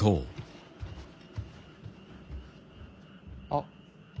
あっ。